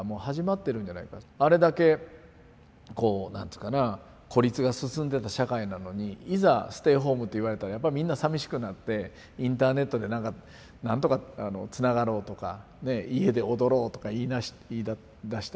あれだけこう何ていうかな孤立が進んでた社会なのにいざステイホームって言われたらやっぱみんなさみしくなってインターネットでなんか何とかつながろうとか家で踊ろうとか言いだした。